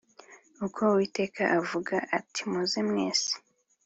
uko Uwiteka avuga ati muze mwese